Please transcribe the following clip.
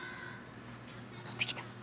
戻ってきた。